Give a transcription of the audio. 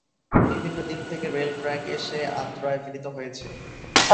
বিভিন্ন দিক থেকে রেল ট্র্যাক এসে আর্দ্রায় মিলিত হয়েছে।